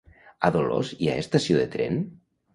A Dolors hi ha estació de tren?